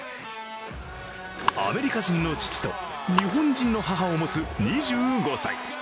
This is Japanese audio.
アメリカ人の父と、日本人の母を持つ２５歳。